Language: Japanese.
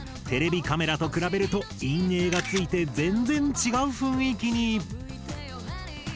テレビカメラと比べると陰影がついて全然違う雰囲気に。